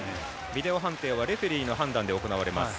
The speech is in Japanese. ビデオ判定はレフェリーの判断で行われます。